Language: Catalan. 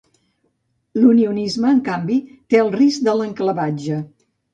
I l’unionisme, en canvi, té el risc de l’enclavatge.